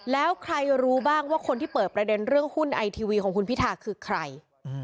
แล้วใครรู้บ้างว่าคนที่เปิดประเด็นเรื่องหุ้นไอทีวีของคุณพิทาคือใคร